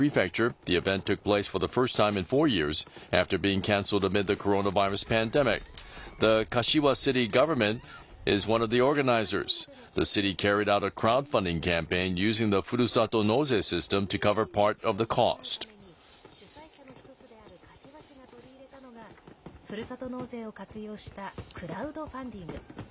運営資金の一部を賄うために主催者の１つである柏市が取り入れたのがふるさと納税を活用したクラウドファンディング。